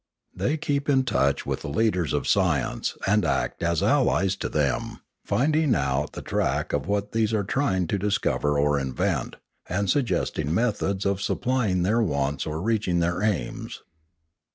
They keep in touch with the leaders of science, and act as allies to them, finding out the track of what these are trying to discover or iuvent, and suggesting methods of supply Inspiration 429 ing their wants or reaching their aims.